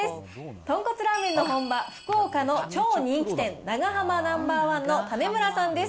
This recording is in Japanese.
豚骨ラーメンの本場、福岡の超人気店、長浜ナンバーワンの種村さんです。